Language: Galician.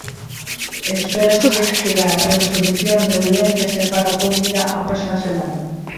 Espérase que a resolución da Audiencia se faga pública a próxima semana.